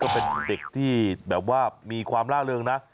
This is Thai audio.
เป็นเด็กที่แบบว่ามีความล่าเริงนะ